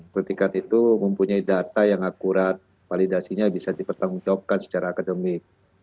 kritikan itu mempunyai data yang akurat validasinya bisa dipertanggungjawabkan secara akademik